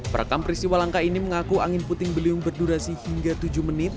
perekam peristiwa langka ini mengaku angin puting beliung berdurasi hingga tujuh menit